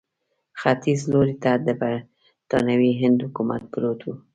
ختیځ لوري ته د برټانوي هند حکومت پروت وو.